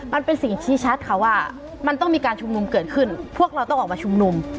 มันเป็นสิ่งชี้ชัดค่ะว่ามันต้องมีการชุมนุมเกิดขึ้นพวกเราต้องออกมาชุมนุม